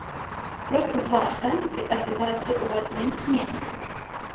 Проста два саміты адбываюцца ў адным месцы.